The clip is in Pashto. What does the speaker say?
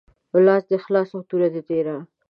لاس دي خلاص او توره دي تیره